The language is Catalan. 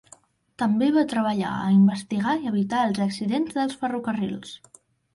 També va treballar a investigar i evitar els accidents dels ferrocarrils.